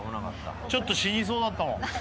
ちょっと死にそうだったもん。